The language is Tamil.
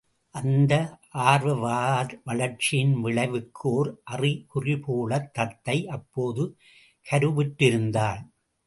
அந்த ஆர்வ வளர்ச்சியின் விளைவுக்கு ஒர் அறிகுறிபோலத் தத்தை அப்போது கருவுற்றிருந்தாள்.